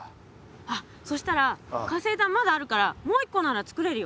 あっそしたら活性炭まだあるからもう一個ならつくれるよ。